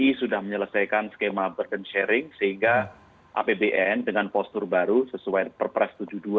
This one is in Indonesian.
bi sudah menyelesaikan skema burden sharing sehingga apbn dengan postur baru sesuai perpres tujuh puluh dua dua ribu dua puluh